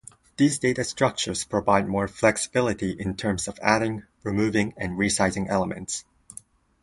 These data structures provide more flexibility in terms of adding, removing, and resizing elements.